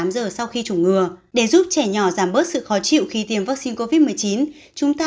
giờ sau khi chủng ngừa để giúp trẻ nhỏ giảm bớt sự khó chịu khi tiêm vắc xin covid một mươi chín chúng ta